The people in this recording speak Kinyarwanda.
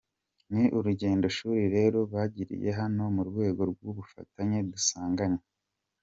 Ni urugendo shuri rero bagiriye hano mu rwego rw’ubufatanye dusanganywe”.